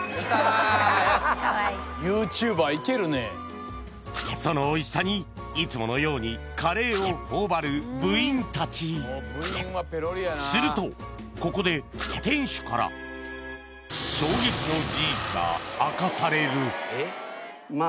カワイイそのおいしさにいつものようにカレーをほおばる部員たちするとここで店主からが明かされるま